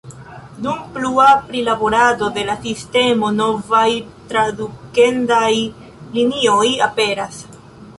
Dum plua prilaborado de la sistemo, novaj tradukendaj linioj aperas.